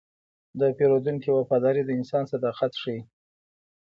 د پیرودونکي وفاداري د انسان صداقت ښيي.